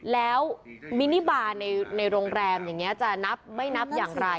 แล้วมินิบาลในโรงแรมอย่างนี้จะนับไม่นับอย่างไร